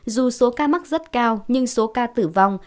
dù số ca mắc rất cao nhưng số ca tử vong